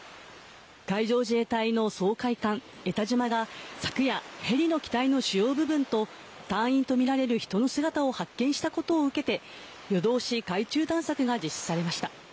海上自衛隊の掃海艦「えたじま」が昨夜、ヘリの機体の主要部分と隊員とみられる人の姿を発見したことを受けて夜通し海中探索が実施されました。